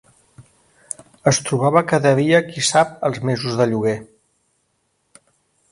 Es trobava que devia qui sap els mesos de lloguer.